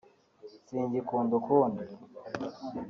” singikunda ukundi